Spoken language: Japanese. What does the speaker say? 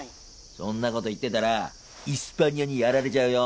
そんなこと言ってたらイスパニアにやられちゃうよ。